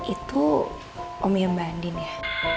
itu omnya mbak andin ya